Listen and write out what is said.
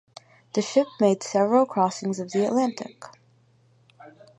The ship made several crossings of the Atlantic.